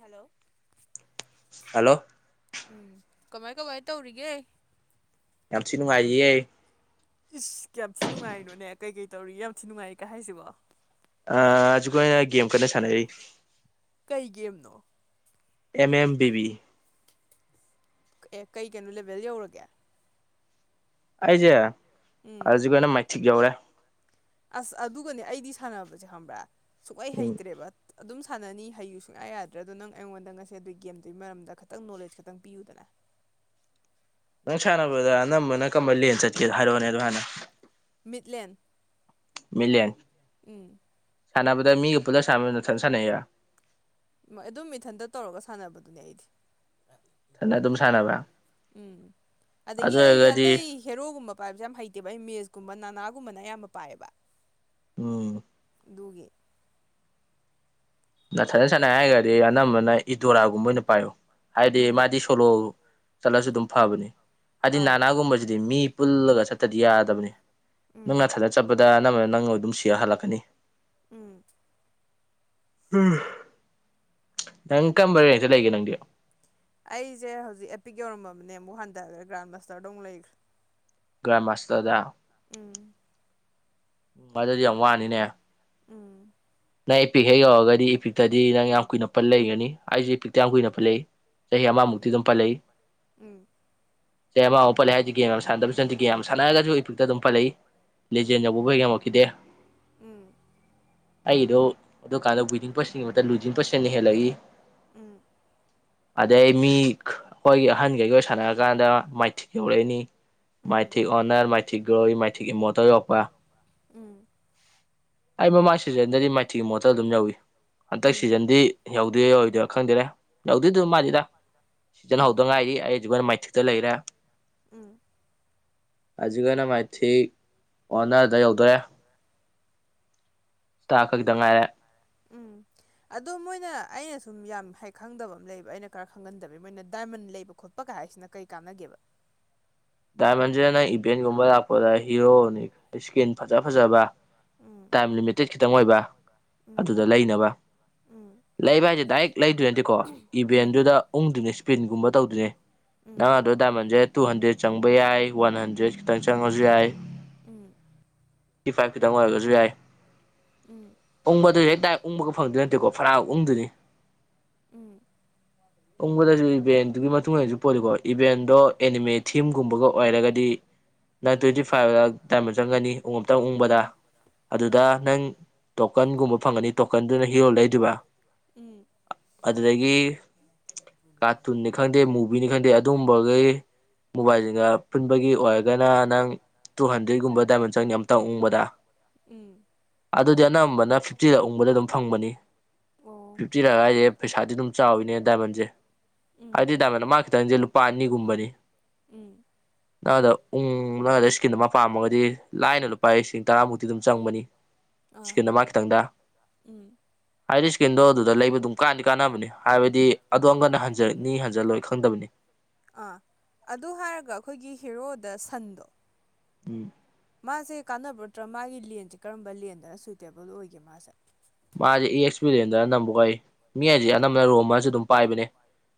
hello hello ꯎꯝ ꯀꯃꯥꯏ ꯀꯃꯥꯏ ꯇꯧꯔꯤꯒꯦ ꯌꯥꯝꯁꯤꯅ ꯃꯥꯦ ꯏꯁ ꯀꯌꯥꯝ ꯊꯤ ꯅꯨꯡꯉꯥꯏꯅꯣꯅꯦ ꯀꯩ ꯀꯩ ꯇꯧꯔꯤ ꯌꯥꯝ ꯊꯤ ꯅꯨꯡꯉꯥꯏ ꯀꯩ ꯍꯥꯏꯁꯤꯕꯣ ꯑꯖꯤꯛꯀꯅ ꯒꯦꯝ ꯀꯟꯅ ꯁꯥꯟꯅꯩ ꯑꯩ ꯀꯩ ꯦꯦꯝꯅꯣ ꯑꯦꯝ ꯑꯦꯝ ꯕꯤꯕꯤ ꯑꯦ ꯀꯩ ꯀꯩꯅꯣ ꯂꯦꯕꯦꯜꯦꯜ ꯌꯧꯔꯒꯦ ꯑꯩꯁꯦ ꯎꯝ ꯍꯧꯖꯤꯛ ꯑꯣꯏꯅ ꯃꯥꯏꯊꯤꯛ ꯌꯧꯔꯦ ꯑꯁ ꯑꯗꯨꯒꯅꯦ ꯑꯩꯗꯤ ꯁꯥꯟꯅꯕꯁꯦ ꯈꯪꯕ꯭ꯔꯥ ꯁꯨꯛꯍꯩ ꯎꯝ ꯍꯩꯇ꯭ꯔꯦꯕ ꯑꯗꯨꯝ ꯁꯥꯟꯅꯅꯤ ꯍꯩꯌꯨ ꯁꯨꯡꯌꯥ ꯌꯥꯗ꯭ꯔꯦ ꯑꯗꯣ ꯅꯪ ꯑꯩꯉꯣꯟꯗ ꯉꯁ ꯑꯗꯨꯒꯤ ꯒꯦꯝꯗꯨꯒꯤ ꯃꯔꯝꯗ ꯈꯤꯇꯪ ꯅꯣꯂꯦꯖ ꯈꯛꯇꯪ ꯄꯤꯌꯨꯗꯅ ꯅꯪ ꯁꯥꯟꯅꯕꯗ ꯑꯅꯝꯕ ꯅꯪ ꯀꯝꯕ ꯂꯅ ꯆꯠꯀꯦꯗ ꯍꯥꯏꯔꯛꯑꯣꯅꯦ ꯑꯗꯨ ꯍꯥꯟꯅ ꯃꯤꯂꯦꯟ ꯃꯤꯂꯦꯟ ꯁꯥꯟꯅꯕꯗ ꯃꯤꯒ ꯄꯨꯂ ꯁꯥꯟꯅꯕ ꯃꯊꯟ ꯁꯥꯟꯅꯩ ꯑꯗꯨꯝ ꯃꯤꯊꯟꯇ ꯇꯧꯔꯒ ꯁꯥꯟꯅꯕꯗꯨꯅꯦ ꯑꯩꯗꯤ ꯑꯗꯨ ꯁꯥꯟ ꯁꯥꯟꯅꯕ꯭ꯔ ꯎꯝ ꯑꯗꯒꯤ ꯑꯩꯁꯦ ꯑꯣꯏꯔꯒꯗꯤ ꯑꯇꯩ ꯍꯦꯔꯣꯒꯨꯝꯕ ꯄꯥꯏꯕꯁꯦ ꯌꯥꯝ ꯍꯩꯇꯦꯕ ꯑꯩ ꯃꯦꯁ ꯀꯨꯝꯕ ꯅꯥꯒꯨꯝꯕꯅ ꯑꯌꯥꯝꯕ ꯄꯥꯏꯌꯦꯕ ꯎꯝ ꯑꯗꯨꯒꯤ ꯅꯊꯠꯅ ꯁꯥꯟꯅ ꯍꯥꯏꯔꯒꯗꯤ ꯑꯅꯝꯕꯅ ꯏꯗꯣꯔꯥꯒꯨꯝꯕ ꯑꯣꯏꯅ ꯄꯥꯏꯌꯨ ꯍꯥꯏꯗꯤ ꯎꯝ ꯃꯥꯗꯤ ꯁꯣꯂꯣ ꯆꯠꯂꯁꯨ ꯑꯗꯨꯝ ꯐꯕꯅꯤ ꯍꯥꯏꯗꯤ ꯑꯥ ꯅꯥꯅꯥꯒꯨꯝꯕꯁꯤꯗꯤ ꯃꯤ ꯄꯨꯜꯂꯒ ꯆꯠꯇꯗꯤ ꯌꯥꯗꯕꯅꯤ ꯎꯝ ꯅꯪꯅꯊꯗ ꯆꯠꯄꯗ ꯅꯝꯕ ꯅꯪꯅ ꯑꯗꯨꯝ ꯁꯤꯔ ꯍꯜꯂꯛꯀꯅꯤ ꯎꯝ ꯅꯪ ꯀꯝꯕꯔꯦꯟꯁꯦ ꯂꯩꯒꯦ ꯅꯪꯗꯤ ꯑꯩꯁꯦ ꯍꯧꯖꯤꯛ ꯑꯦꯄꯤꯛ ꯌꯧꯔꯃꯕꯅꯦ ꯑꯃꯨꯛ ꯍꯟꯊꯈ꯭ꯔꯦ ꯒ꯭ꯔꯥꯟ ꯃꯥꯁꯇꯔꯗꯣ ꯑꯃꯨꯛ ꯂꯩꯈ꯭ꯔꯦ ꯭ꯔꯝ ꯃꯥꯁꯇꯔꯗ ꯎꯝ ꯎꯝ ꯑꯗꯨꯗꯗꯤ ꯌꯥꯝ ꯋꯥꯅꯤꯅꯦ ꯎꯝ ꯅꯪ ꯏꯄꯤꯛ ꯍꯦꯛ ꯌꯧꯔꯒꯗꯤ ꯏꯄꯤꯛꯇꯗꯤ ꯅꯪ ꯌꯥꯝ ꯀꯨꯏꯅ ꯄ ꯂꯩꯒꯅꯤ ꯑꯩꯁꯨꯦ ꯏꯄꯤꯛꯇ ꯌꯥꯝ ꯀꯨꯏꯅ ꯄ ꯂꯩ ꯆꯍꯤ ꯎꯝ ꯑꯃꯃꯨꯛꯇꯤꯗꯨꯝ ꯄꯂꯛ ꯎꯝ ꯁ ꯑꯃꯥꯎ ꯄꯜꯂꯦ ꯍꯥꯏꯗꯤ ꯒꯦꯝ ꯌꯥꯝ ꯁꯥꯟꯗꯅꯁꯨꯅꯗ ꯒꯦꯝ ꯁꯥꯟꯅꯔꯒꯁꯨ ꯏꯄꯤꯛꯇ ꯑꯗꯨ ꯄꯜꯂꯛꯏ ꯂꯤꯖꯦꯅꯕꯨꯕꯒꯃ ꯀꯗꯦ ꯎꯝ ꯑꯩꯗꯣ ꯑꯗꯨꯀꯥꯟꯗ ꯋꯤꯗꯤꯡ ꯄꯔꯁꯟꯒꯤ ꯂꯨꯗꯤꯤꯡ ꯄꯔꯁꯟꯟꯅ ꯍꯦꯜꯂꯛꯏ ꯎꯝ ꯑꯗꯩ ꯃꯤ ꯑꯩꯈꯣꯏꯒꯤ ꯑꯍꯟꯈꯩꯒꯤ ꯑꯣꯏꯅ ꯁꯥꯟꯅꯔꯀꯥꯟꯗ ꯃꯥꯏꯊꯤꯛ ꯌꯧꯔꯛꯏꯅꯤ ꯎꯝ ꯃꯥꯏꯊꯤ ꯑꯣꯅꯔ ꯃꯥꯏꯊꯤꯛ ꯒꯣꯏ ꯃꯥꯏꯊꯤ ꯏꯃꯣ ꯇꯧ ꯌꯄ ꯎꯝ ꯑꯩ ꯃꯃꯥꯡ ꯁꯤꯖꯟꯗꯗꯤ ꯃꯥꯏꯊꯤꯒꯤ ꯃꯣꯠꯇ ꯑꯗꯨꯝ ꯌꯧꯏꯤ ꯍꯟꯗꯛ ꯁꯤꯖꯟꯗꯤ ꯌꯧꯗꯋ ꯈꯪꯗꯦꯔꯦ ꯂꯧꯗꯣꯏꯗꯨ ꯃꯥꯅꯤꯗ ꯎꯝ ꯎꯝ ꯁꯤꯖꯤꯜꯍꯧꯗ ꯉꯥꯏꯔꯤ ꯑꯩꯁꯨꯅ ꯃꯥꯏꯊꯤꯛꯇ ꯂꯩꯔꯦ ꯎꯝ ꯍꯧꯖꯤꯛꯅ ꯃꯥꯏꯊꯤ ꯑꯣꯅꯔꯗ ꯌꯧꯗꯔꯦ ꯆ ꯈꯛꯇ ꯉꯥꯏꯔꯦ ꯎꯝ ꯑꯗꯣ ꯃꯣꯏꯅ ꯑꯩꯅ ꯁꯨꯝ ꯌꯥꯝ ꯍ ꯈꯪꯗꯕ ꯑꯃ ꯂꯩꯕ ꯑꯩꯅ ꯈꯔ ꯈꯪꯍꯟꯗꯕ ꯃꯣꯏꯅ ꯗꯥꯏꯃꯟ ꯂꯩꯕ ꯈꯣꯠꯄ ꯍꯥꯏꯁꯤꯅ ꯀꯔꯤ ꯀꯥꯟꯅꯒꯦꯕ ꯗꯥꯏꯃꯟꯁꯤꯗ ꯅꯪ ꯏꯚꯦꯟꯒꯨꯝꯕ ꯂꯥꯛꯄꯗ ꯍꯤꯔꯣꯅꯤ ꯏꯁꯀꯤꯔꯤꯟ ꯐꯖ ꯐꯖꯕ ꯎꯝ ꯇꯥꯏꯝ ꯂꯤꯃꯤꯇꯦꯠ ꯈꯤꯇꯪ ꯑꯣꯏꯕ ꯎꯝ ꯑꯗꯨꯗ ꯂꯩꯅꯕ ꯎꯝ ꯂꯩꯕ ꯍꯥꯏꯁꯦ ꯗꯥꯏꯔꯦꯛ ꯂꯩꯗꯣꯏ ꯅꯠꯇꯦꯀꯣ ꯎꯝ ꯏꯚꯦꯟꯗꯨꯗ ꯎꯪꯗꯨꯅꯦ ꯏꯁꯄꯤꯟꯒꯨꯝꯕ ꯇꯧꯗꯅꯦ ꯎꯝ ꯅꯪꯗꯣ ꯗꯥꯏꯃꯟꯁꯦ ꯇꯨ ꯍꯟꯗ꯭ꯔꯦꯠ ꯆꯪꯕ ꯌꯥꯏ ꯋꯥꯟ ꯍꯟꯗ꯭ꯔꯦꯗ ꯈꯤꯇꯪ ꯆꯪꯉꯁꯨ ꯌꯥꯏ ꯎꯝ ꯇꯤ ꯐꯥꯏꯚ ꯈꯤꯇꯪ ꯑꯣꯏꯔꯒꯁꯨ ꯌꯥꯏ ꯎꯝ ꯎꯪꯕꯗ ꯍꯦꯛ ꯀꯗꯥꯏ ꯎꯪꯕꯒ ꯐꯪꯗꯣꯏ ꯅꯠꯇꯦꯀꯣ ꯐꯔꯥ ꯎꯪꯗꯣꯏꯅꯤ ꯎꯝ ꯎꯕꯗꯁꯨ ꯏꯚꯦꯟꯗꯨꯒꯤ ꯃꯇꯨꯡ ꯏꯁꯨ ꯄꯣꯜꯂꯤꯀꯣ ꯏꯚꯦꯟꯗꯣ ꯑꯦꯠꯃꯤꯟ ꯊꯤꯝꯒꯨꯝꯕꯒ ꯑꯣꯏꯔꯒꯗꯤ ꯅꯥꯏꯟ ꯇ꯭ꯋꯦꯟꯇꯤ ꯐꯥꯏꯚ ꯗꯥꯏꯃꯟ ꯆꯪꯒꯅꯤ ꯎꯝꯇꯪ ꯎꯪꯕꯗ ꯎꯝ ꯑꯗꯨꯗ ꯅꯪ ꯇꯣꯀꯟꯒꯨꯝꯕ ꯐꯪꯒꯅꯤ ꯇꯣꯀꯟꯗꯨꯅ ꯍꯤꯔꯣꯜ ꯂꯩꯗꯣꯏꯕ ꯎꯝ ꯑꯗꯨ ꯑꯗꯨꯗꯒꯤ ꯀꯥꯔꯇꯨꯟꯅꯤ ꯈꯪꯗꯦ ꯃꯨꯚꯤꯅꯤ ꯈꯪꯗꯦ ꯑꯗꯨꯝꯕꯈꯩ ꯎꯏꯁꯤꯒ ꯄꯨꯟꯕꯒꯤ ꯑꯣꯏꯔꯒꯅ ꯅꯪ ꯇꯨ ꯍꯟꯗ꯭ꯔꯦꯠꯀꯨꯝꯕ ꯗꯥꯏꯃꯟ ꯆꯪꯅꯤ ꯑꯃꯇꯪ ꯎꯪꯕꯗ ꯎꯝ ꯎꯝ ꯑꯗꯨꯗꯤ ꯑꯅꯝꯕꯅ ꯐꯤꯐꯇꯤꯗ ꯎꯕꯗ ꯑꯗꯨꯝ ꯐꯪꯕꯅꯤ ꯑꯣ ꯐꯤꯐꯇꯤꯔꯥꯏꯁꯦ ꯄꯩꯁꯥꯗꯤ ꯑꯗꯨꯝ ꯆꯥꯎꯋꯤꯅꯦ ꯗꯥꯏꯃꯟꯁꯦ ꯎꯝ ꯑꯗꯨꯗꯤ ꯇꯥꯃꯅ ꯃꯥ ꯈꯤꯇꯪꯁꯦ ꯂꯨꯄꯥ ꯑꯅꯤꯒꯨꯝꯕꯅꯤ ꯎ ꯅꯪꯗ ꯎ ꯅꯪꯗ ꯏꯁꯀꯤꯟ ꯑꯃ ꯄꯥꯝꯃꯒꯗꯤ ꯂꯥꯏꯅ ꯂꯨꯄꯥ ꯂꯤꯁꯤꯡ ꯇꯔꯥꯃꯨꯛꯇꯤ ꯑꯗꯨꯝ ꯆꯪꯕꯅꯤ ꯑꯥ ꯆꯀꯜꯗ ꯃꯥ ꯈꯤꯇꯪꯗ ꯎꯝ ꯑꯗꯨ ꯂꯩꯕ ꯑꯗꯨꯝ ꯀꯥꯟꯗꯤ ꯀꯥꯟꯅꯕꯅꯤ ꯍꯥꯏꯕꯗꯤ ꯑꯗꯣꯅ ꯍꯟ ꯍꯟꯖꯜꯂꯣꯏ ꯈꯪꯗꯕꯅꯤ ꯑꯥ ꯑꯗꯨ ꯍꯥꯏꯔꯒ ꯑꯩꯈꯣꯏꯒꯤ ꯍꯦꯔꯣꯗ ꯁꯟꯗꯣ ꯎꯝ ꯃꯥꯁꯦ ꯀꯥꯟꯅꯕ ꯅꯠꯇ꯭ꯔ ꯃꯥꯒꯤ ꯂꯦꯟꯁꯦ ꯀꯔꯝꯕ ꯂꯦꯟꯗꯅ ꯁꯨꯏꯇꯦꯕꯜ ꯑꯣꯏꯒꯦ ꯃꯥꯁꯦ ꯃꯥꯁꯦ ꯑꯦ ꯑꯦꯛꯁꯄꯤꯔꯤꯟꯗ ꯑꯅꯝꯕ ꯑꯣꯏ ꯃꯤ ꯍꯥꯏꯁꯦ ꯑꯥ ꯑꯅꯝꯕꯅ ꯔꯣꯝ ꯑꯃꯁꯨ ꯑꯗꯨꯝ ꯄꯥꯏꯕꯅꯦ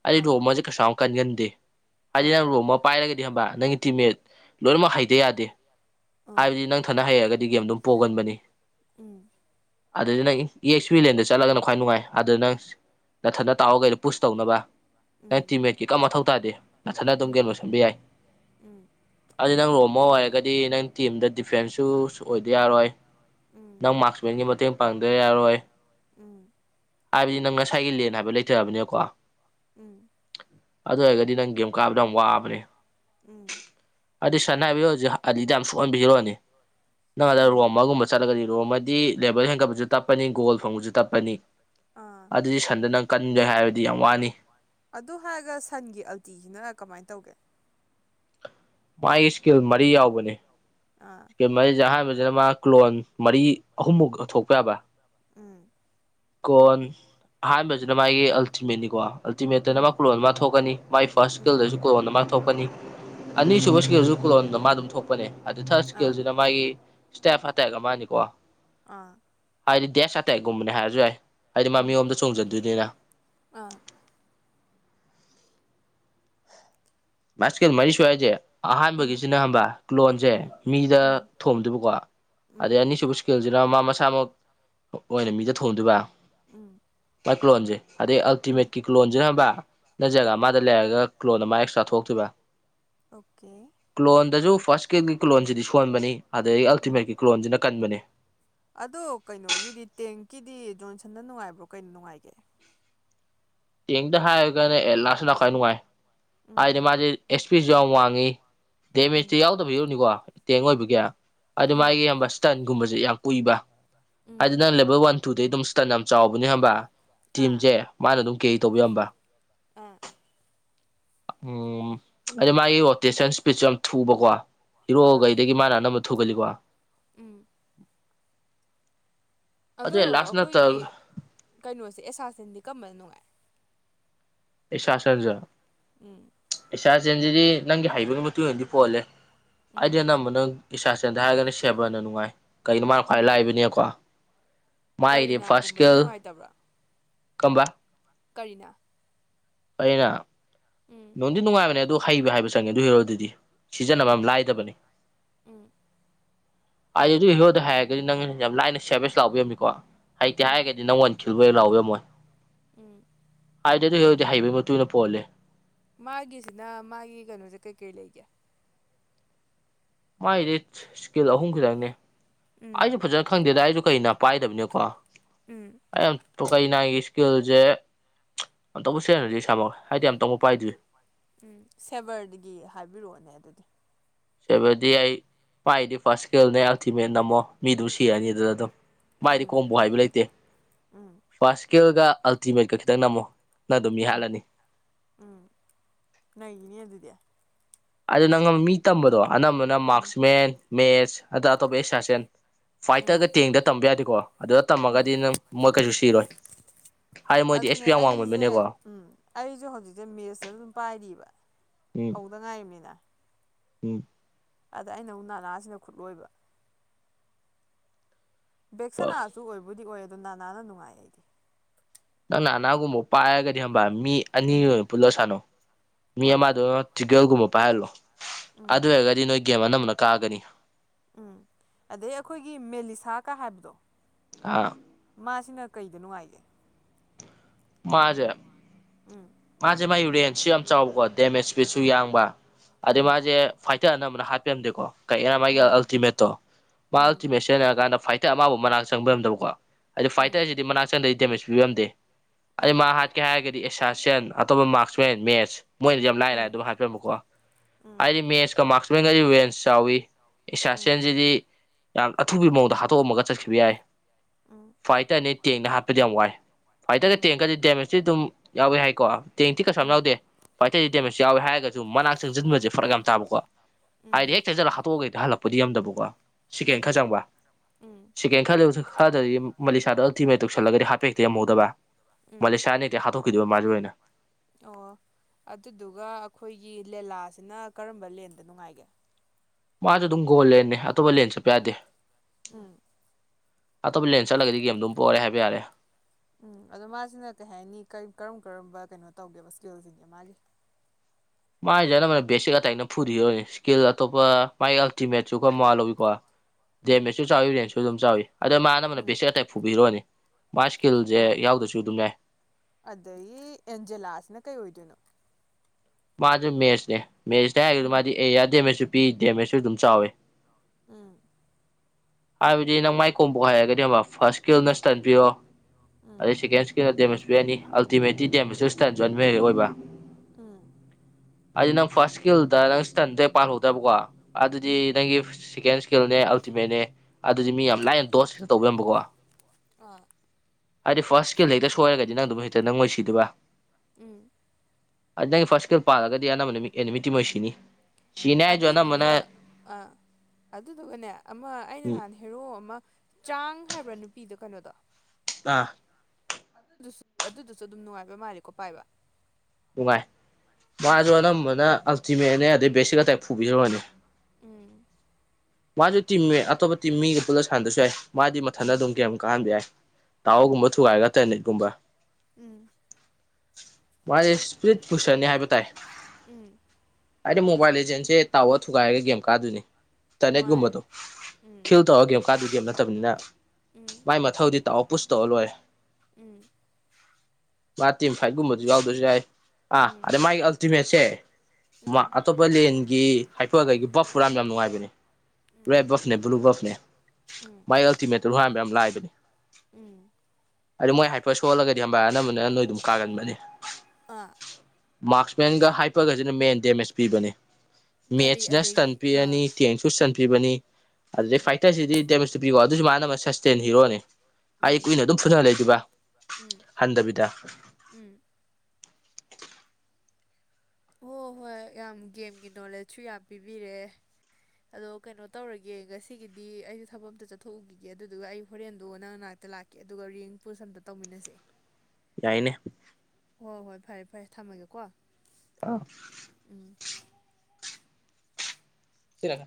ꯑꯩ ꯔꯣ ꯑꯥ ꯑꯃꯁꯦ ꯀꯩꯁꯨ ꯀꯟꯒꯟꯗꯦ ꯍꯥꯏꯗꯤ ꯑꯥ ꯅꯪ ꯔꯣꯝ ꯑꯃ ꯄꯥꯏꯔꯒꯗꯤ ꯍꯕ ꯅꯪꯒꯤ ꯇꯤꯃꯦꯠ ꯂꯣꯏꯅꯃꯛ ꯍꯩꯗ ꯌꯥꯗꯦ ꯑꯥ ꯑꯗꯨꯒꯤ ꯑꯗꯨꯝ ꯄꯣꯛꯍꯟꯕꯅꯤ ꯎꯝ ꯑꯗꯨꯗꯤ ꯅꯪ ꯑꯦꯛꯁꯋꯤꯂꯦꯟꯗ ꯆꯠꯂꯒꯅ ꯈ꯭ꯋꯥꯏ ꯅꯨꯡꯉꯥꯏ ꯑꯗꯨ ꯅꯪ ꯅꯊꯟꯗ ꯇꯥꯛꯑꯣ ꯀꯩꯅꯣ ꯄꯨꯁ ꯇꯧꯅꯕ ꯅꯪ ꯎꯝ ꯇꯤꯝ ꯃꯦꯠ ꯀꯌꯝ ꯃꯊꯧ ꯇꯥꯗꯦ ꯅꯥꯊꯅ ꯑꯗꯨꯝ ꯒꯦꯝ ꯎꯝ ꯂꯣꯁꯤꯟꯕ ꯌꯥꯏ ꯎꯝ ꯑꯗꯨ ꯅꯪ ꯔꯣꯝ ꯑꯃ ꯑꯣꯏꯔꯒꯗꯤ ꯅꯪ ꯇꯤꯝꯗ ꯗꯤꯐꯦꯟꯁꯁꯨ ꯑꯣꯏꯗ ꯌꯥꯔꯣꯏ ꯎꯝ ꯅꯪ ꯃꯥꯛꯁꯃꯦꯟꯒꯤ ꯃꯇꯦꯡ ꯄꯥꯡꯗꯕ ꯌꯥꯔꯣꯏ ꯎꯝ ꯍꯥꯏꯕꯗꯤ ꯅꯪ ꯉꯁꯥꯏꯒꯤ ꯂꯦꯟ ꯍꯥꯏꯕ ꯂꯩꯊꯔꯕꯅꯦꯀꯣ ꯎꯝ ꯑꯗꯨ ꯑꯣꯏꯔꯒꯗꯤ ꯅꯪ ꯒꯦꯝ ꯀꯥꯕꯗ ꯌꯥꯝ ꯋꯥꯕꯅꯦ ꯎꯝ ꯑ ꯁꯅ ꯍꯥꯏꯕꯤꯔꯣ ꯍꯧꯖꯤꯛ ꯑꯗꯤꯗꯤ ꯌꯥꯝ ꯁꯣꯛꯍꯟꯕꯤꯔꯛꯑꯣꯅꯦ ꯅꯪꯗ ꯔꯣꯝ ꯑꯣ ꯑꯃꯒꯨꯝꯕ ꯆꯠꯂꯒꯗꯤ ꯔꯣꯝꯃ ꯂꯦꯕꯔ ꯍꯦꯟꯒꯠꯄꯁꯨ ꯇꯞꯄꯅꯤ ꯒꯣꯜ ꯐꯪꯕꯁꯨ ꯇꯞꯄꯅꯤ ꯑꯥ ꯑꯗꯨꯗꯤ ꯁꯟꯗ ꯅꯪ ꯀꯟꯗ꯭ꯔꯦ ꯍꯥꯏꯕꯗꯤ ꯌꯥꯝ ꯋꯥꯅꯤ ꯑꯗꯨ ꯍꯥꯏꯔꯒ ꯁꯟꯒꯤ ꯑꯜꯇꯤꯁꯤꯅ ꯀꯃꯥꯏꯅ ꯇꯧꯒꯦ ꯃꯥꯒꯤ ꯏꯁꯀꯤꯜ ꯃꯔꯤ ꯌꯥꯎꯕꯅꯤ ꯑꯥ ꯏꯁꯀꯤꯜ ꯃꯔꯤꯁꯦ ꯍꯥꯏꯕꯁꯤ ꯑꯗꯨꯅ ꯃꯥ ꯀꯂꯣꯟ ꯃꯔꯤ ꯑꯍꯨꯝꯃꯨꯛ ꯊꯣꯛꯄ ꯌꯥꯕ ꯎꯝ ꯀꯣꯟ ꯑꯍꯥꯟꯕꯁꯤꯅ ꯃꯥꯒꯤ ꯑꯜꯇꯤꯃꯦꯠꯅꯤꯀꯣ ꯑꯜꯇꯤꯃꯦꯠꯇꯅ ꯃꯥ ꯎꯝ ꯀꯂꯣꯟ ꯑꯃ ꯊꯣꯛꯀꯅꯤ ꯃꯥꯥꯏ ꯐꯥꯔꯁ ꯎꯝ ꯏꯁꯀꯤꯜꯗꯁꯨ ꯀꯣꯟ ꯑꯃ ꯊꯣꯛꯀꯅꯤ ꯎꯝ ꯑꯅꯤꯁꯨꯕ ꯏꯁꯀꯜꯁꯨ ꯀꯣꯂꯣꯗ ꯃꯥ ꯑꯗꯨꯝ ꯊꯣꯛꯄꯅꯦ ꯑꯗꯨ ꯊꯔꯠ ꯑꯥ ꯏꯁꯦꯜꯁꯤꯅ ꯃꯥꯒꯤ ꯏꯁꯇꯦꯐ ꯑꯇꯦꯛ ꯑꯃꯅꯤꯅꯤꯀꯣ ꯑꯥ ꯍꯥꯏꯗꯤ ꯗꯦꯁ ꯑꯇꯦꯛꯀꯨꯝꯕꯅꯦ ꯍꯥꯏꯔꯁꯨ ꯌꯥꯏ ꯍꯥꯏꯗꯤ ꯎꯝ ꯃꯃꯤꯌꯣꯝꯗ ꯆꯣꯡꯖꯗꯣꯏꯅꯤꯅ ꯑꯥ ꯃꯁꯀ ꯃꯔꯤꯁꯨꯨ ꯍꯥꯏꯖꯦ ꯎꯝ ꯑꯍꯥꯟꯕꯒꯤꯁꯤꯅ ꯍꯝꯕ ꯂꯣꯟꯁꯦ ꯎꯝ ꯃꯤꯗ ꯎꯝ ꯊꯣꯝꯗꯕꯀꯣ ꯑꯗꯩ ꯎꯝ ꯑꯅꯤꯁꯨꯕ ꯏꯁꯀꯤꯜ ꯑꯗꯨꯅ ꯃꯥ ꯃꯁꯥꯃꯛ ꯑꯣꯏꯅ ꯃꯤꯗ ꯊꯣꯟꯗꯕ ꯎꯝ ꯑꯩ ꯀꯂꯣꯟꯁꯦ ꯑꯗꯩ ꯎꯝ ꯑꯜꯇꯤꯃꯦꯠꯀꯤ ꯀꯣꯟꯁꯤꯅ ꯍꯕ ꯅ ꯖꯔꯒ ꯎꯝ ꯃꯥꯗ ꯂꯩꯔꯒ ꯀꯂꯣꯟ ꯑꯃ ꯑꯦꯛꯁꯇ꯭ꯔꯥ ꯊꯣꯛ ꯑꯣꯀꯦ ꯀꯂꯣꯟꯗꯁꯨ ꯐꯥꯔꯁ ꯀꯦꯀꯤ ꯀꯂꯣꯟꯁꯤꯗꯤ ꯁꯣꯟꯕꯅꯤ ꯑꯗꯩ ꯎꯝ ꯑꯜꯇꯤꯃꯦꯠꯀꯤ ꯀꯂꯣꯟꯁꯤꯅ ꯀꯟꯕꯅꯦ ꯑꯗꯣ ꯀꯩꯅꯣꯒꯤꯗꯤ ꯇꯦꯡꯀꯤꯗꯤ ꯖꯣꯟꯁꯟꯗ ꯅꯨꯡꯉꯥꯏꯕ꯭ꯔꯣ ꯀꯩꯅ ꯅꯨꯡꯉꯥꯏꯒꯦ ꯇꯦꯡꯗ ꯍꯥꯏꯔꯒꯅ ꯑꯦ ꯂꯥꯁꯁꯨ ꯂꯥꯏ ꯅꯨꯡꯉꯥꯏ ꯎꯝ ꯍꯥꯏꯗꯤ ꯃꯥꯁꯦ ꯑꯦꯁ ꯄꯤ ꯁꯨ ꯌꯥꯝ ꯋꯥꯡꯉꯤ ꯗꯦꯃꯦꯖꯇꯤ ꯎꯝ ꯌꯥꯎꯗꯕ ꯌꯔꯨꯅꯤꯀꯣꯇꯦꯡ ꯑꯣꯏꯕꯒꯤ ꯑꯗꯨ ꯎꯝ ꯃꯥꯒꯤ ꯏꯕ ꯏꯁꯇꯟꯒꯨꯝꯕꯁꯦ ꯌꯥꯝ ꯀꯨꯏꯕ ꯑꯗꯨ ꯎꯝ ꯅꯪ ꯂꯦꯕꯦꯜ ꯋꯥꯟ ꯇꯨꯗꯩ ꯑꯗꯨꯝ ꯇꯟ ꯌꯥꯝ ꯆꯥꯎꯕꯅꯦ ꯍꯕ ꯑꯥ ꯇꯤꯝꯁꯦ ꯃꯥꯅ ꯑꯗꯨꯝ ꯀꯦꯔꯤ ꯇꯧꯕ ꯌꯥꯝꯝꯕ ꯑꯥ ꯎꯝ ꯑꯗꯩ ꯃꯥꯒꯤ ꯔꯣꯇꯦꯁꯟ ꯏꯁꯄꯤꯠꯁꯨ ꯌꯥꯝ ꯊꯨꯕꯀꯣ ꯑꯥ ꯏꯤꯔꯣꯒꯩꯗꯒꯤ ꯃꯥꯅ ꯑꯅꯝꯕ ꯊꯨꯒꯜꯂꯤꯀꯣ ꯎꯝ ꯑꯗꯨ ꯑꯗꯣ ꯑꯦꯠꯂꯥꯁ ꯑꯩꯈꯣꯏꯒꯤ ꯅꯠꯇ꯭ꯔꯒ ꯀꯩꯅꯣꯁꯦ ꯑꯦꯁꯥꯇꯟꯗꯤ ꯀꯝꯕꯅ ꯅꯨꯡꯉꯥꯏ ꯑꯦꯁ ꯑꯥꯁꯔꯖ ꯎꯝ ꯄꯩꯁꯥ ꯆꯦꯟꯁꯤꯗꯤ ꯅꯪꯒꯤ ꯍꯩꯕꯒꯕ ꯇꯨ ꯑꯣꯏꯅꯗꯤ ꯄꯣꯜꯂꯦ ꯍꯥꯏꯗꯤ ꯎꯝ ꯑꯅꯝꯕ ꯅꯪ ꯏꯁ ꯁꯥ ꯁꯦꯟꯗ ꯍꯥꯏꯔꯒꯅ ꯁꯦꯕꯅ ꯅꯨꯡꯉꯥꯏ ꯀꯩꯅꯅꯣ ꯃꯥꯅ ꯈ꯭ꯋꯥꯏ ꯎꯝ ꯂꯥꯏꯏꯕꯅꯦꯀꯣ ꯀꯔꯤꯅꯥꯒꯨꯝꯕꯗꯤ ꯅꯨꯡꯉꯥꯏꯇꯕ꯭ꯔꯥ ꯀꯝꯕ ꯀꯔꯤꯅꯥ ꯑꯩꯅ ꯎꯝ ꯅꯅꯨꯡꯗꯤ ꯅꯨꯡꯉꯥꯏꯕꯅꯦ ꯑꯗꯨ ꯍꯩꯕ ꯍꯥꯏꯕ ꯆꯪꯉꯦ ꯑꯗꯨ ꯍꯤꯔꯣꯗꯨꯗꯤ ꯁꯤꯖꯤꯟꯅꯕ ꯑꯃ ꯎꯝ ꯂꯥꯏꯗꯕꯅꯤ ꯎꯝ ꯍꯥꯏꯗꯤ ꯑꯗꯨ ꯍꯍꯣꯔꯗ ꯍꯥꯏꯔꯒꯗꯤ ꯅꯪ ꯌꯥꯝ ꯂꯥꯏꯅ ꯁꯦꯚꯁ ꯂꯥꯎꯕꯔꯝꯃꯤꯀꯣ ꯍꯩꯛꯇꯤ ꯎꯝ ꯍꯥꯏꯔꯒꯗꯤ ꯅꯪ ꯋꯥꯟ ꯊꯤꯜꯨ ꯍ ꯂꯥꯎꯔꯝꯃꯣꯏ ꯎꯝ ꯍꯥꯏꯥꯏꯗ ꯑꯗꯨ ꯍꯧꯖꯤ ꯍꯧꯖꯤꯛ ꯍꯩꯕꯒꯤ ꯃꯇꯨꯡ ꯏꯟꯅ ꯄꯣꯜꯂꯦ ꯃꯥꯒꯤꯁꯤꯅ ꯃꯥꯒꯤ ꯀꯩꯅꯣꯁꯦ ꯀꯩ ꯀꯔꯤ ꯂꯩꯒꯦ ꯃꯥꯏꯗꯤ ꯏꯁꯀꯤꯜ ꯑꯍꯨꯝ ꯈꯤꯇꯪꯅꯦ ꯎꯝ ꯑꯩꯁꯨ ꯐꯖꯅ ꯈꯪꯗꯦꯗ ꯑꯩꯁꯨ ꯀꯩꯅ ꯄꯥꯏꯗꯕꯅꯤꯀꯣ ꯎꯝ ꯑꯩ ꯌꯥꯝ ꯀꯩꯅꯒꯤ ꯏꯁꯀꯤꯜꯁꯦ ꯑꯇꯧꯕ ꯁꯦꯡꯅꯗꯤ ꯁꯥꯃꯛꯋꯦ ꯍꯥꯏꯗꯤ ꯌꯥꯝꯇꯧꯕ ꯄꯥꯏꯗꯣꯏꯏ ꯎꯝ ꯁꯦꯕꯔꯗꯒꯤ ꯍꯥꯏꯕꯤꯔꯛꯑꯣꯅꯦ ꯑꯗꯨꯗꯤ ꯁꯕꯗꯤ ꯑꯩ ꯄꯥꯏꯗꯤ ꯐꯥꯔꯁ ꯀꯦꯜꯅꯦ ꯑꯜꯇꯤꯃꯦꯠ ꯅꯝꯃꯣ ꯃꯤꯗꯨ ꯁꯤꯔꯅꯤ ꯑꯗꯨꯗ ꯑꯗꯨꯝ ꯃꯥꯏꯗꯤ ꯎꯝ ꯀꯣꯕꯨ ꯍꯥꯏꯕ ꯂꯩꯇꯦ ꯎꯝ ꯐꯁꯀꯦꯜꯒ ꯑꯜꯇꯤꯃꯦꯠꯀ ꯈꯤꯇꯪ ꯅꯝꯃꯣ ꯅꯪ ꯑꯗꯨꯝ ꯃꯤ ꯎꯝ ꯍꯥꯠꯂꯅꯤ ꯎꯝ ꯅꯈꯤꯅꯤ ꯑꯗꯨꯗꯤ ꯑꯗꯨ ꯅꯪ ꯃꯤ ꯇꯝꯕꯗꯣ ꯑꯅꯝꯕꯅ ꯎꯝ ꯃꯥꯔꯛꯁꯃꯦꯟ ꯃꯦꯠꯁ ꯑꯗ꯭ꯔ ꯑꯇꯣꯞꯄ ꯑꯦꯁꯤꯌꯥꯁꯟ ꯎꯝ ꯐꯥꯏꯠꯇꯔꯒ ꯇꯦꯡꯗ ꯇꯝꯕ ꯌꯥꯗꯦꯀꯣ ꯑꯗꯨꯗ ꯎꯝ ꯇꯝꯃꯒꯗꯤ ꯅꯪ ꯃꯣꯏ ꯀꯩꯁꯨ ꯁꯤꯔꯣꯏ ꯍꯥꯏꯗꯤ ꯃꯣꯏꯗꯤ ꯑꯦꯁ ꯑꯗꯨꯅꯦ ꯄꯤ ꯌꯥꯝ ꯑꯩꯁꯦ ꯋꯥꯡꯃꯟꯕꯅꯦꯀꯣ ꯎꯝ ꯑꯩꯁꯨ ꯍꯧꯖꯤꯛꯁꯦ ꯃꯦꯁꯇ ꯑꯗꯨꯝ ꯄꯥꯏꯔꯤꯕ ꯎꯝ ꯍꯧꯗ ꯉꯥꯏꯔꯤꯕꯅꯤꯅ ꯎꯝ ꯑꯗ ꯑꯩꯅ ꯑꯃꯨꯛ ꯅꯅꯥꯁꯤꯅ ꯈꯨꯠꯂꯣꯏꯕ ꯕꯦꯛꯁꯅꯥꯁꯨ ꯑꯣꯏꯕꯨꯗꯤ ꯑꯣꯏ ꯑꯗꯨꯗ ꯅꯅꯥꯟꯅ ꯅꯨꯡꯉꯥꯏ ꯑꯩꯗꯤ ꯅꯪꯅ ꯑꯅꯥꯒꯨꯝꯕ ꯄꯥꯏꯔꯒꯗꯤ ꯍꯕ ꯃꯤ ꯑꯅꯤ ꯎꯝ ꯄꯨꯜꯂ ꯁꯥꯥꯟꯅꯣ ꯃꯤ ꯍꯣꯏ ꯑꯃꯗꯣ ꯆꯤꯒꯦꯜꯒꯨꯝꯕ ꯄꯥꯏꯍꯜꯂꯣ ꯎꯝ ꯑꯗꯨ ꯑꯣꯏꯔꯒꯗꯤ ꯅꯣꯏ ꯒꯦꯝ ꯑꯅꯝꯕꯅ ꯀꯥꯑꯒꯅꯤ ꯎꯝ ꯑꯗꯩ ꯑꯩꯈꯣꯏꯒꯤ ꯃꯦꯂꯤꯁꯥꯀ ꯍꯥꯏꯕꯗꯣ ꯑꯥ ꯃꯥꯁꯤꯅ ꯀꯩꯗ ꯅꯨꯡꯉꯥꯏꯒꯦ ꯃꯥꯖꯦ ꯎꯝ ꯃꯥ ꯦ ꯃꯥꯒꯤ ꯔꯦꯟꯖꯁꯨ ꯌꯥꯝ ꯆꯥꯎꯕꯀꯣ ꯗꯦꯃꯦꯖ ꯄꯤꯁꯨ ꯌꯥꯡꯕ ꯑꯗꯩ ꯎꯝ ꯃꯥꯁꯦ ꯑꯅ ꯑꯃꯅ ꯍꯥꯞꯄꯤꯔꯝꯦꯀꯣ ꯀꯔ ꯃꯥꯒꯤ ꯎꯝ ꯑꯜꯇꯤꯃꯦꯠꯇꯣ ꯃꯥ ꯎꯝ ꯑꯜꯇꯤꯃꯦꯠ ꯁꯤꯖꯤꯟꯅꯔꯀꯥꯟꯗ ꯐꯥꯏꯇꯔ ꯑꯃꯕꯨ ꯃꯅꯥꯛ ꯆꯪꯕꯔꯝꯗꯕꯀꯣ ꯑꯗ ꯎꯝ ꯐꯥꯏꯇꯔꯁꯤꯗꯤ ꯃꯅꯥꯛ ꯆꯪꯗꯗꯤ ꯗꯦꯃꯦꯖ ꯄꯤꯕꯤꯔꯝꯗꯦ ꯑꯩ ꯃꯥ ꯎꯝ ꯍꯥꯠꯀꯦ ꯍꯥꯏꯔꯒꯗꯤ ꯑꯦꯁꯁꯤꯌꯥꯟ ꯑꯇꯣꯞꯄ ꯃꯥꯔꯛꯁꯃꯦꯟ ꯃꯦꯠꯁ ꯃꯣꯏꯅꯗꯤ ꯌꯥꯝ ꯂꯥꯏ ꯂꯥꯏ ꯎꯝ ꯑꯗꯨꯝ ꯍꯥꯏꯞꯔꯝꯕꯀꯣ ꯎꯝ ꯍꯥꯏꯗꯤ ꯃꯦꯟꯁꯀ ꯃꯥꯔꯛꯁꯃꯦꯟꯒꯗꯤ ꯋꯦꯟꯁ ꯆꯥꯎꯋꯤ ꯎꯝ ꯎꯝ ꯎꯝ ꯑꯦꯛꯁꯥꯇꯦꯟꯁꯤꯗꯤ ꯌꯥꯝ ꯑꯊꯨꯕ ꯃꯑꯣꯡꯗ ꯍꯥꯠꯇꯣꯛꯑꯝꯃꯒ ꯆꯠꯈꯤꯕ ꯌꯥꯏ ꯎꯝ ꯎꯝ ꯐꯥꯏꯇꯔꯅꯤ ꯇꯦꯡꯅ ꯍꯥꯠꯄꯗꯤ ꯌꯥꯝ ꯋꯥꯏ ꯐꯥꯏꯇꯔꯒ ꯇꯦꯡꯒꯗꯤ ꯗꯦꯃꯦꯁꯇꯤ ꯑꯗꯨꯝ ꯌꯥꯎꯋꯦ ꯍꯥꯏꯀꯣ ꯇꯦꯡꯇꯤ ꯀꯩꯁꯨ ꯌꯥꯝ ꯌꯥꯎꯗꯦ ꯄꯥꯏꯊꯩꯗꯤ ꯗꯦꯃꯦꯁ ꯌꯥꯎꯋꯦ ꯍꯥꯏꯔꯒꯁꯨ ꯃꯅꯥꯛ ꯆꯪꯁꯤꯟꯕꯁꯦ ꯐꯔꯛ ꯌꯥꯝ ꯇꯥꯕꯀꯣ ꯍꯥꯏꯥꯏꯗꯤ ꯎꯝ ꯍꯦ ꯆꯥꯏꯖꯂ ꯍꯥ ꯍꯣꯒꯣꯏꯦ ꯍꯂꯛ ꯄꯨꯗꯤ ꯌꯥꯝꯝꯗꯕꯀꯣ ꯁꯤꯦꯀꯦꯟ ꯎꯝ ꯈꯔ ꯆꯪꯕ ꯎꯝ ꯁꯤꯦꯀꯦꯟ ꯈꯔ ꯂꯩꯕꯁꯨ ꯈꯔꯗꯗꯤ ꯃꯥꯂꯦꯁꯤꯌꯥꯗ ꯑꯜꯇꯤꯃꯦꯠ ꯇꯧꯁꯜꯂꯒꯗꯤ ꯍꯥꯠꯄ ꯍꯦꯛꯇꯤ ꯌꯦꯝꯍꯧꯗꯕ ꯎꯝ ꯃꯥꯂꯦꯁꯤꯌꯥꯅ ꯍꯛꯇꯤ ꯍꯥꯠꯇꯣꯛ ꯑꯩꯣꯏꯗꯕ ꯃꯥꯁꯨ ꯑꯣꯏꯅ ꯑꯣ ꯑꯗꯨꯗꯨꯒ ꯑꯩꯈꯣꯏꯒꯤ ꯂꯦꯂꯥꯁꯤꯅ ꯀꯔꯝꯕ ꯂꯦꯟꯗ ꯅꯨꯡꯉꯥꯏꯒꯦ ꯃꯥꯁꯨ ꯑꯗꯨꯝ ꯒꯣꯜ ꯂꯦꯦ ꯑꯇꯣꯞꯄ ꯂꯦꯟ ꯆꯠꯄ ꯌꯥꯗꯦ ꯎꯝ ꯑꯇꯣꯞꯄ ꯂꯦꯟ ꯆꯠꯂꯒꯗꯤꯦꯝ ꯑꯗꯨꯝ ꯄꯔꯦ ꯍꯥꯏꯕ ꯌꯥꯔꯦ ꯎꯝ ꯑꯗꯣ ꯃꯥꯁꯤꯅ ꯀꯩ ꯍꯥꯏꯅꯤ ꯀꯔꯝ ꯀꯔꯝꯕ ꯀꯩꯅꯣ ꯇꯧꯒꯦꯕ ꯏꯁꯀꯤꯜꯁꯤꯡꯒꯤ ꯃꯥꯒꯤ ꯃꯥꯏꯁꯦ ꯑꯅꯝꯕꯅ ꯕꯦꯁꯤꯛ ꯑꯇꯩꯅ ꯐꯨꯗꯤꯅꯤ ꯏꯁꯀꯤꯜ ꯑꯇꯣꯞꯄ ꯃꯥꯒꯤ ꯑꯜꯇꯤꯃꯦꯠꯁꯨ ꯈꯔ ꯃꯥ ꯂꯧꯋꯤꯀꯣ ꯎꯝ ꯗꯦꯃꯦꯖꯁꯨ ꯆꯥꯎꯋꯤ ꯔꯦꯟꯖꯁꯨ ꯑꯗꯨꯝ ꯆꯥꯎꯋꯤ ꯑꯗ ꯃꯥꯅ ꯑꯃꯅ ꯎꯝ ꯕꯦꯁꯦ ꯑꯇꯩ ꯐꯨꯕꯤꯔꯛꯣꯅꯦ ꯑꯥ ꯑꯗꯗꯒꯤ ꯑꯦꯟꯖꯦꯂꯥꯁꯤꯅ ꯀꯩ ꯑꯣꯏꯗꯣꯏꯅꯣ ꯃꯥꯁꯨ ꯃꯦꯁꯅꯦ ꯃꯦꯠꯁꯅꯦ ꯍꯥꯏꯔꯒꯗꯤ ꯎꯝ ꯃꯥꯗꯤ ꯑꯦꯔꯤꯌꯥ ꯗꯦꯃꯦꯖꯁꯨ ꯄꯤ ꯗꯦꯃꯦꯖꯁꯨ ꯑꯗꯨꯝ ꯆꯥꯎꯋꯤ ꯎꯝ ꯍꯥꯏꯕꯗꯤ ꯅꯪ ꯃꯥꯏ ꯀꯣꯝꯝꯕꯧ ꯍꯥꯏꯔꯒꯗꯤ ꯍꯝꯕ ꯐꯥꯔꯁ ꯀꯦꯜꯅ ꯇꯟꯕꯤꯔꯣ ꯎꯝ ꯑꯗꯩ ꯁꯦꯀꯦꯟꯀꯖ ꯄꯤꯅꯤ ꯑꯜꯤ ꯑꯣꯏꯕ ꯎꯝ ꯍꯥꯏꯗꯤ ꯅꯪ ꯐꯥꯔꯁ ꯏꯁꯀꯤꯜꯗ ꯅꯪ ꯁ꯭ꯇꯟꯗ ꯄꯥꯍꯧꯗꯕꯀꯣ ꯑꯗꯨꯗꯤ ꯎꯝ ꯅꯪꯒꯤ ꯁꯦꯀꯦꯟ ꯅꯦ ꯑꯜꯇꯤꯃꯦꯠꯅꯦ ꯑꯗꯨꯗꯤ ꯃꯤ ꯌꯥꯝ ꯂꯥꯏꯅ ꯗꯣꯁꯅ ꯇꯧꯕꯤꯔꯝꯕꯀꯣ ꯑ ꯍꯥꯏꯗꯤ ꯐꯥꯔꯁꯀꯤꯜ ꯍꯦꯛꯇ ꯁꯣꯏꯔꯒꯗꯤ ꯅꯪ ꯑꯗꯨꯕꯨ ꯍꯦꯛꯇ ꯅꯪꯉꯣꯏꯁꯤꯗꯨꯕ ꯎꯝ ꯅꯪꯒꯤ ꯐꯥꯔꯁ ꯀꯜ ꯄꯥꯔꯒꯗꯤ ꯑꯅꯝꯕ ꯅꯨꯃꯤꯠꯅꯤꯃꯤꯇꯤꯃꯣꯏꯁꯤꯅꯤ ꯑꯗꯨꯗꯨꯒ ꯑꯥ ꯑꯗꯨꯗꯨꯒꯅꯦ ꯑꯃ ꯑꯩꯅ ꯅꯍꯥꯟ ꯍꯦꯔꯣ ꯑꯃ ꯆꯥꯡ ꯍꯥꯏꯕ꯭ꯔꯥ ꯅꯨꯄꯤꯗꯣ ꯀꯩꯅꯣꯗꯣ ꯑꯥ ꯑꯗꯨꯗꯁꯨ ꯑꯗꯨꯝ ꯅꯨꯡꯉꯥꯏꯕ ꯃꯥꯜꯂꯦꯀꯣ ꯄꯥꯏꯕ ꯅꯨꯡꯉꯥꯏ ꯎꯝ ꯃꯥꯁꯨ ꯑꯅꯝꯕꯅ ꯑꯜꯇꯤꯃꯦꯠꯅꯦ ꯑꯗꯩ ꯕꯦꯁꯤꯇ ꯐꯨꯕꯤꯈ꯭ꯔꯨꯔꯅꯤ ꯎꯝ ꯃꯥꯁꯨ ꯇꯤꯝꯅꯦ ꯑꯇꯣꯞꯄ ꯇꯤꯝ ꯃꯤꯒ ꯄꯨꯂ ꯁꯥꯟꯗꯁꯨ ꯌꯥꯏ ꯃꯥꯗꯤ ꯃꯊꯟꯇ ꯎꯝ ꯑꯗꯨꯝ ꯀꯦꯝ ꯀꯥꯍꯟꯕ ꯌꯥꯏ ꯇꯥꯑꯣꯒꯨꯝꯕ ꯊꯨꯒꯥꯏꯔꯒ ꯇ꯭ꯔꯅꯤꯠꯀꯨꯝꯕ ꯎꯝ ꯃꯥꯁ ꯏꯁꯄ꯭ꯔꯤꯠ ꯄꯨꯁꯅꯤ ꯍꯥꯏꯕ ꯇꯥꯏ ꯎꯝ ꯑꯩꯅ ꯃꯣꯕꯥꯏꯜ ꯑꯦꯖꯦꯟꯁꯦ ꯇꯥꯎꯔ ꯊꯨꯒꯥꯏꯔꯒ ꯒꯦꯝ ꯀꯥꯗꯣꯏꯅꯤ ꯎꯝ ꯃꯥꯅꯦ ꯏꯟꯇꯔꯅꯦꯠꯒꯨꯝꯕꯗꯣ ꯎꯝ ꯈꯤꯜ ꯇꯧꯔꯒ ꯒꯦꯝ ꯀꯥꯗ ꯒꯦꯝ ꯅꯠꯇꯕꯅꯤꯅ ꯎꯝ ꯃꯥꯏ ꯃꯊꯧꯗꯤ ꯇꯥꯛꯑꯣ ꯄꯨꯁ ꯇꯧꯑ ꯂꯣꯏꯔꯦ ꯎꯝ ꯃꯥ ꯇꯤ ꯐꯥꯏꯠꯒꯨꯝꯕꯗꯨ ꯌꯥꯎꯗ꯭ꯔꯁꯨ ꯌꯥꯏ ꯑꯥ ꯑꯗ ꯎꯝ ꯃꯥꯒꯤ ꯑꯜꯇꯤꯃꯦꯠꯁꯦ ꯎꯝ ꯑꯇꯣꯞꯄ ꯂꯦꯟꯒꯤ ꯍꯥꯏꯐꯠꯑꯒ ꯕꯐ ꯄꯨꯔꯥ ꯌꯥꯝꯅ ꯅꯨꯡꯉꯥꯏꯕꯅꯤ ꯎꯝ ꯔꯦꯠ ꯕꯐꯅꯦ ꯕ꯭ꯂꯨ ꯕꯐꯅꯦ ꯎꯝ ꯃꯥꯏ ꯑꯜꯇꯤꯃꯦꯠꯇ ꯂꯨꯍꯥꯟꯕ ꯌꯥꯝ ꯂꯥꯛꯏꯕꯅꯤ ꯎꯝ ꯑꯗ ꯃꯣꯏ ꯍꯥꯏꯐꯦꯠ ꯁꯣꯜꯂꯒꯗꯤ ꯌꯥꯝꯕꯥ ꯑꯅꯝꯕꯅ ꯅꯣꯏ ꯑꯗꯨꯝ ꯀꯥꯒꯟꯕꯅꯤ ꯑꯥ ꯃꯥꯛꯁꯃꯦꯟꯒ ꯍꯥꯏꯞꯄꯒꯁꯤꯅ ꯃꯦꯟ ꯗꯦꯃꯦꯖ ꯄꯤꯕꯅꯤ ꯀꯔꯤ ꯃꯦꯠꯆꯅ ꯑꯗꯩ ꯑꯥ ꯇꯟꯕꯤꯔꯅꯤ ꯇꯦꯡꯁꯨ ꯇꯟꯕꯤꯕꯅꯤ ꯑꯗꯨꯗꯩ ꯎꯝ ꯐꯥꯏꯇꯔꯁꯤꯗꯤ ꯗꯦꯃꯦꯖꯇꯨ ꯄꯤꯌꯣ ꯑꯗꯨꯁꯨ ꯃꯥꯅ ꯑꯃ ꯁꯁꯇꯦꯟ ꯍꯤꯔꯣꯅꯦ ꯑꯩ ꯎꯝ ꯀꯨꯏꯅ ꯑꯗꯨꯝ ꯐꯨꯖꯅ ꯂꯩꯕ ꯎꯝ ꯍꯟꯗꯕꯤꯗ ꯎꯝ ꯍꯣ ꯍꯣꯏ ꯌꯥꯝ ꯒꯦꯝꯒꯤ ꯅꯣꯂꯦꯖꯁꯨ ꯌꯥꯝ ꯄꯤꯕꯤꯔꯛꯑꯦ ꯑꯗꯣ ꯀꯩꯅꯣ ꯇꯧꯔꯒꯦ ꯉꯁꯤꯒꯤꯗꯤ ꯑꯩꯁꯨ ꯊꯕꯝꯇ ꯆꯠꯊꯣꯛꯎꯈꯤꯒꯦ ꯑꯗꯨꯗꯨꯒ ꯑꯩ ꯍꯣꯔꯦꯟꯗꯣ ꯅꯪ ꯇ ꯂꯥꯛꯀꯦ ꯑꯗꯨꯒ ꯔꯦꯡ ꯄꯨꯁ ꯑꯝꯇ ꯇꯧꯃꯤꯟꯅꯁꯦ ꯌꯥꯏꯅꯦ ꯍꯣꯏ ꯍꯣꯏ ꯐꯔꯦ ꯐꯔꯦ ꯊꯝꯃꯒꯦꯀꯣ ꯑ ꯎꯝ ꯁꯤꯔ